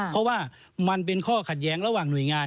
เพราะว่ามันเป็นข้อขัดแย้งระหว่างหน่วยงาน